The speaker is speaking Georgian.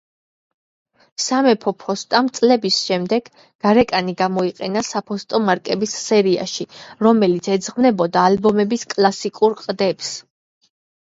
სამეფო ფოსტამ წლების შემდეგ გარეკანი გამოიყენა საფოსტო მარკების სერიაში, რომელიც ეძღვნებოდა ალბომების კლასიკურ ყდებს.